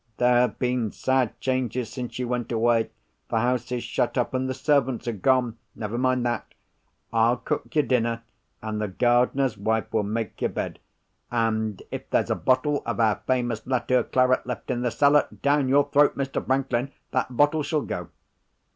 There have been sad changes, since you went away. The house is shut up, and the servants are gone. Never mind that! I'll cook your dinner; and the gardener's wife will make your bed—and if there's a bottle of our famous Latour claret left in the cellar, down your throat, Mr. Franklin, that bottle shall go.